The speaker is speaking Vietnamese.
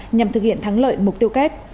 nhằm thực hiện thắng lợi mục tiêu kép